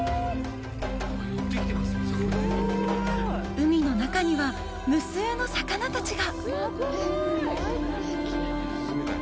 海の中には無数の魚たちが。